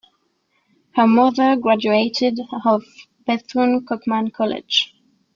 Her mother graduated of Bethune-Cookman College.